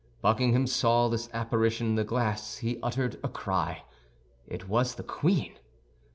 Buckingham saw this apparition in the glass; he uttered a cry. It was the queen!